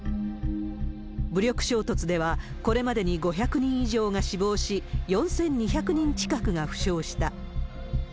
武力衝突では、これまでに５００人以上が死亡し、４２００人近くが負傷した。